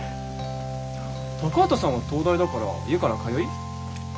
高畑さんは東大だから家から通い？